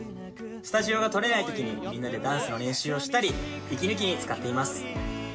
スタジオが取れないときにみんなでダンスの練習をしたり息抜きに使っています